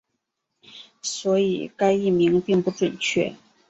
所以该译名并不准确。